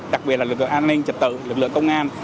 đặc biệt là lực lượng an ninh trật tự lực lượng công an